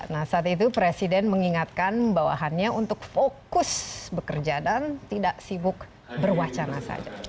nah saat itu presiden mengingatkan bawahannya untuk fokus bekerja dan tidak sibuk berwacana saja